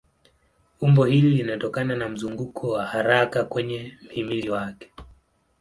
Umbo hili linatokana na mzunguko wa haraka kwenye mhimili wake.